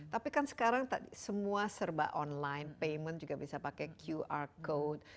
tapi kan sekarang semua serba online payment juga bisa pakai qr code